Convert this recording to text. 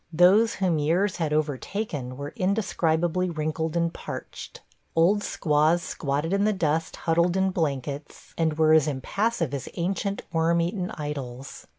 Those whom years had overtaken were indescribably wrinkled and parched. Old squaws squatted in the dust huddled in blankets, and were as impassive as ancient worm eaten idols.